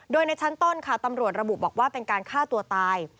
โดยในชั้นต้นค่ะตำรวจระบุบอกว่าเป็นการฆ่าตัวตาย